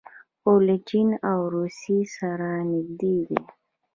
خو له چین او روسیې سره نږدې دي.